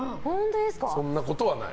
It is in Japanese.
そんなことはない。